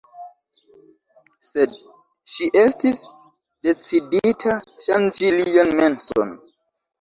Sed ŝi estis decidita ŝanĝi lian menson.